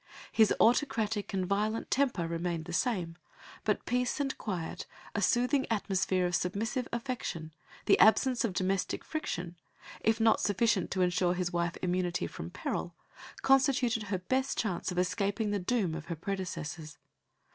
His autocratic and violent temper remained the same, but peace and quiet, a soothing atmosphere of submissive affection, the absence of domestic friction, if not sufficient to ensure his wife immunity from peril, constituted her best chance of escaping the doom of her predecessors.